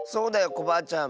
コバアちゃん。